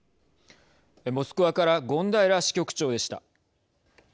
モスクワから権平支局長でした。